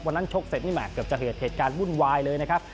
ชกเสร็จนี่แห่เกือบจะเกิดเหตุการณ์วุ่นวายเลยนะครับ